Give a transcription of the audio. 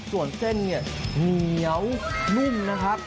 ส่วนเส้นเหนียวนุ่มนะครับ